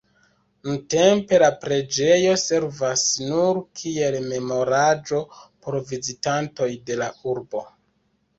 Nuntempe la preĝejo servas nur kiel memoraĵo por vizitantoj de la urbo.